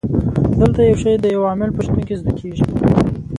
دلته یو شی د یو عامل په شتون کې زده کیږي.